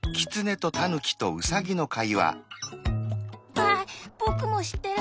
ああぼくもしってる。